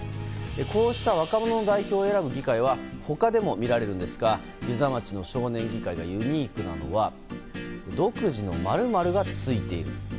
こうした若者代表を選ぶ議会は他でも見られるんですが遊佐町の少年議会がユニークなのは独自の○○がついている。